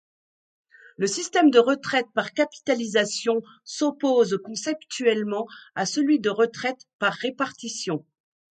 Le système de retraite par capitalisation, s'oppose conceptuellement à celui de retraite par répartition.